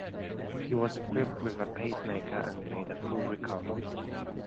He was equipped with a pace maker and made a full recovery.